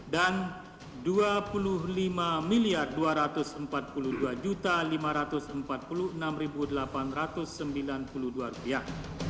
dua puluh lima dua ratus empat puluh dua lima ratus empat puluh enam delapan ratus sembilan puluh dua rupiah